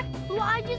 dua aja sana